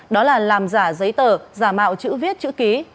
đó là làm giả giấy tờ giả mạo chữ viết chữ ký